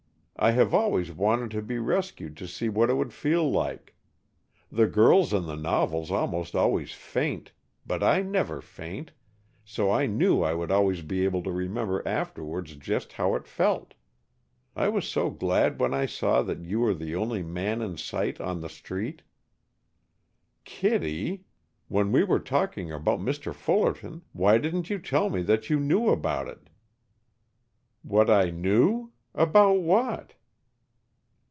I have always wanted to be rescued to see what it would feel like. The girls in the novels almost always faint, but I never faint, so I knew I would always be able to remember afterwards just how it felt. I was so glad when I saw that you were the only man in sight on the street!" "Kittie, when we were talking about Mr. Fullerton, why didn't you tell me what you knew about it?" "What I knew? About what?"